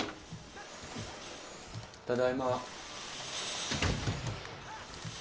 ただいま。